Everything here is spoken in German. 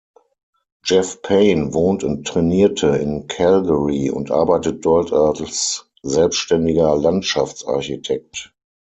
Jeff Pain wohnt und trainierte in Calgary und arbeitet dort als selbständiger Landschaftsarchitekt.